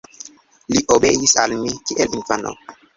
Li obeis al mi kiel infano.